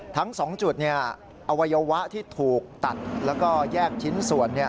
ทั้ง๒จุดอวัยวะที่ถูกตัดแล้วก็แยกชิ้นส่วน